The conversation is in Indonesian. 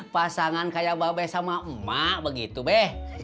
pasangan kayak babai sama emak begitu be